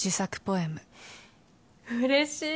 うれしい！